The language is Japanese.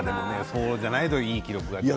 そうじゃないといい記録が出ない。